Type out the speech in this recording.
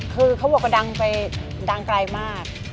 คือเขาบอกว่าดังไปดังไกลมาก